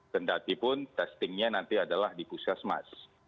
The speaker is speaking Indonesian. tendati pun testingnya nanti adalah di pusat mas